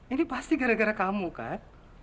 ini pasti gara gara kamu kan